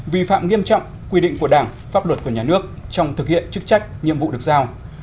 vi phạm nghiêm trọng quy định của đảng pháp luật của nhà nước trong thực hiện chức trách nhiệm vụ được giao